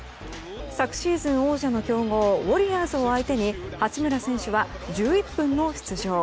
昨シーズン王者の強豪ウォリアーズを相手に八村選手は１１分の出場。